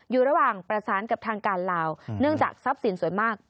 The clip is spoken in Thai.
อยู่ระหว่างประสานกับทางการลาวเนื่องจากทรัพย์สินส่วนมาก